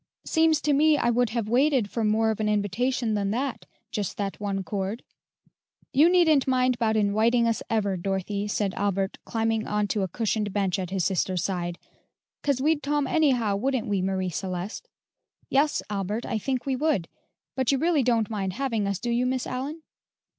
"Seems to me I would have waited for more of an invitation than that, just that one chord." "You needn't mind 'bout inwiting us ever, Dorothy," said Albert, climbing on to a cushioned bench at his sister's side, "'cause we'd tome anyhow, wouldn't we, Marie Celeste?" "Yes, Albert, I think we would; but you really don't mind having us, do you, Miss Allyn?"